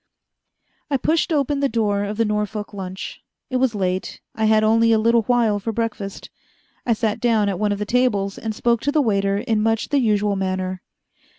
I pushed open the door of the Norfolk Lunch. It was late I had only a little while for breakfast. I sat down at one of the tables, and spoke to the waiter in much the usual manner.